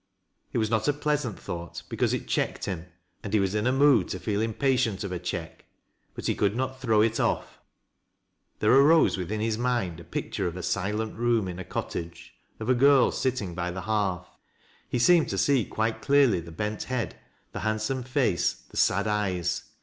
It was not a pleasant thought be cause it checked him, and he was in a mood to feel impatient of a check. But he could not throw it off There arose within his mind a picture of a silent room in a cottage, — of a girl sitting by the hearth. He seemed to see quite clearly the bent head, the handsome face, the sad eyes.